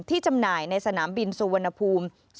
จำหน่ายในสนามบินสุวรรณภูมิ